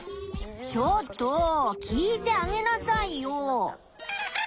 ちょっと聞いてあげなさいよ。